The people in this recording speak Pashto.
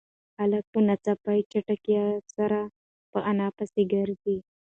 هلک په ناڅاپي چټکتیا سره په انا پسې گرځي.